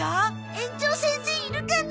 園長先生いるかな？